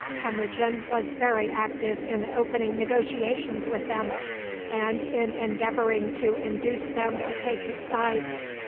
Temujin was very active in opening negotiations with them, and in endeavoring to induce them to take his side.